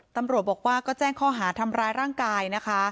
ตำรวจบอกว่าก็แจ้งข้อหาทำร้ายร่างกายนะคะ